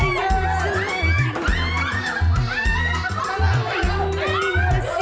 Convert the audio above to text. gue sepakat tadi